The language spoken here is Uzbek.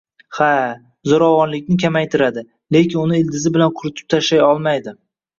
Ha, zo‘ravonlikni kamaytiradi, lekin uni ildizi bilan quritib tashlay olmaydi